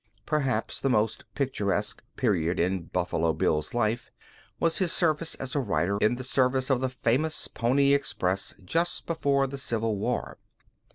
Perhaps the most picturesque period in Buffalo Bill's life was his service as a rider in the service of the famous Pony Express just before the Civil War.